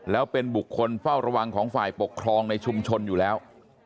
แล้วเป็นบุคคลเฝ้าระวังของฝ่ายปกครองในชุมชนอยู่แล้ว